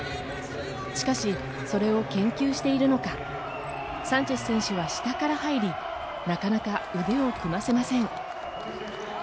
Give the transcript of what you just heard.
しかし、それを研究しているのか、サンチェス選手は下から入りなかなか腕を組ませません。